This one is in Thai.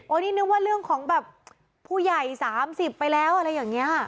นี่นึกว่าเรื่องของแบบผู้ใหญ่๓๐ไปแล้วอะไรอย่างนี้